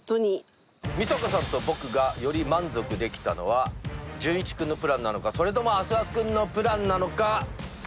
美佐子さんと僕がより満足できたのはじゅんいち君のプランなのかそれとも阿諏訪君のプランなのか。